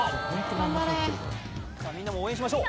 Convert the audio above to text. みんなも応援しましょう